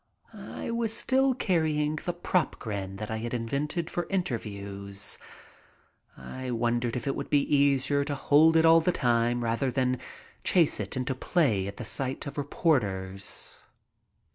I was still carrying the "prop " grin that I had invented for interviews. I wondered if it would be easier to hold it all the time rather than chase it into play at the sight of reporters.